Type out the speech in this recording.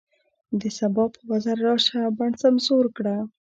د سبا په وزر راشه، بڼ سمسور کړه